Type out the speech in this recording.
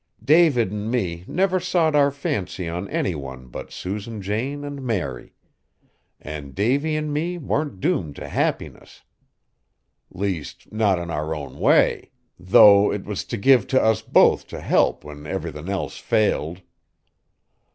David an' me never sot our fancy on any one but Susan Jane an' Mary; an' Davy an' me warn't doomed t' happiness! Least, not in our own way, though 't was give t' us both t' help when everythin' else failed.